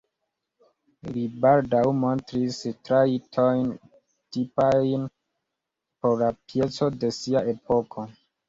Li baldaŭ montris trajtojn tipajn por la pieco de sia epoko.